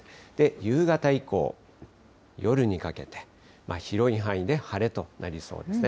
夕方以降、夜にかけて、広い範囲で晴れとなりそうですね。